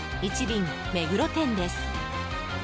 輪目黒店です。